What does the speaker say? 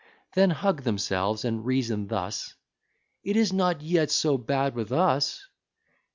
Then hug themselves, and reason thus: "It is not yet so bad with us!"